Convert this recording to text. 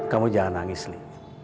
kamu jangan nangis li